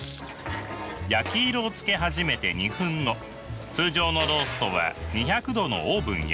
焼き色をつけ始めて２分後通常のローストは２００℃のオーブンへ。